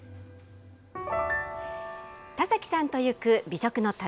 田崎さんと行く美食の旅。